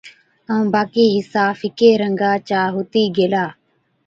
ائُون باقِي حِصا ڦِڪي رنگا چا هُتِي گيلا۔